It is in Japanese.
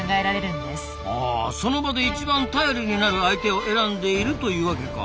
あその場で一番頼りになる相手を選んでいるというワケか。